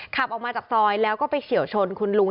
ขับออกมาจากซอยแล้วก็ไปเฉียวชนคุณลุง